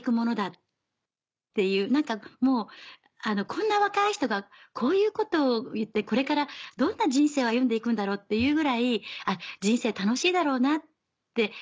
何かもうこんな若い人がこういうことを言ってこれからどんな人生を歩んで行くんだろうっていうぐらい人生楽しいだろうなって。